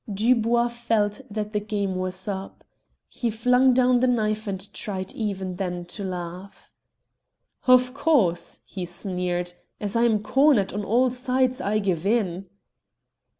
Dubois felt that the game was up. He flung down the knife and tried even then to laugh. "Of course," he sneered, "as I am cornered on all sides I give in."